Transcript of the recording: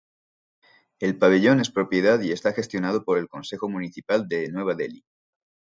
El pabellón es propiedad y está gestionado por el Consejo Municipal de Nueva Delhi.